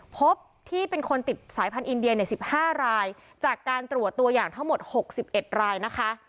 พบที่เป็นคนติดสายพันธ์อินเดียใน๑๕รายจากการตรวจตัวอย่างทั้งหมด๖๑รายนะคะ